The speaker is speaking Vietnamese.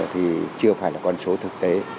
thì chưa phải là con số thực tế